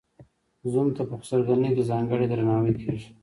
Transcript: زوم ته په خسرګنۍ کې ځانګړی درناوی کیږي.